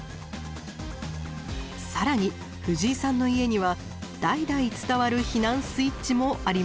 更に藤井さんの家には代々伝わる避難スイッチもありました。